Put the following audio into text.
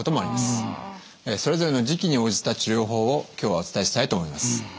それぞれの時期に応じた治療法を今日はお伝えしたいと思います。